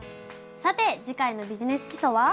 さて次回の「ビジネス基礎」は？